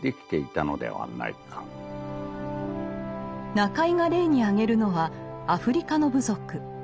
中井が例に挙げるのはアフリカの部族。